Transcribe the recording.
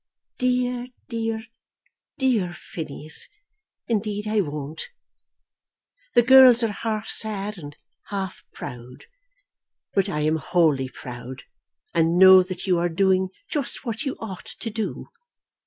Dear, dear, dear Phineas, indeed I won't. The girls are half sad and half proud. But I am wholly proud, and know that you are doing just what you ought to do.